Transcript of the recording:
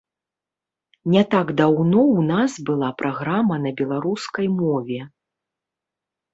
Не так даўно ў нас была праграма на беларускай мове.